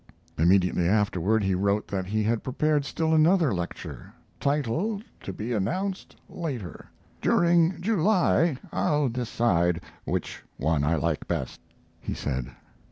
Immediately afterward he wrote that he had prepared still another lecture, "title to be announced later." "During July I'll decide which one I like best," he said.